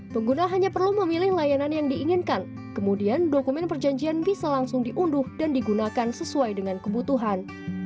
pengguna hanya perlu memilih layanan yang diinginkan kemudian dokumen perjanjian bisa langsung diunduh dan digunakan sesuai dengan kebutuhan